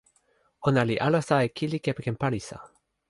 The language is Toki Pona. ona li alasa e kili kepeken palisa.